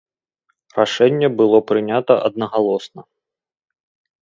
Рашэнне было прынята аднагалосна.